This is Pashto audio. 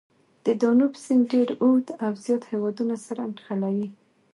د دانوب سیند ډېر اوږد او زیات هېوادونه سره نښلوي.